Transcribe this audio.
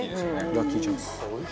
ラッキーチャンス。